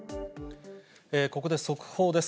ここで速報です。